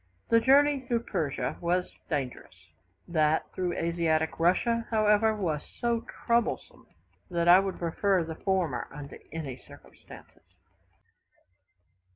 The journey through Persia was dangerous; that through Asiatic Russia, however, was so troublesome, that I would prefer the former under any circumstances.